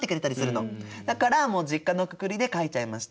だからもう実家のくくりで書いちゃいました。